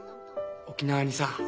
沖縄にさ